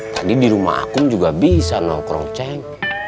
tadi di rumah akun juga bisa nongkrong ceng